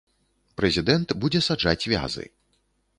Прэзідэнт будзе саджаць вязы.